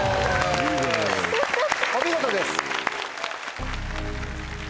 お見事です！